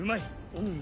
うん。